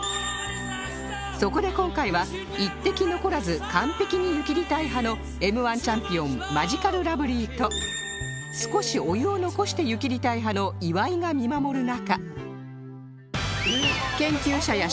そこで今回は１滴残らず完璧に湯切りたい派の Ｍ−１ チャンピオンマヂカルラブリーと少しお湯を残して湯切りたい派の岩井が見守る中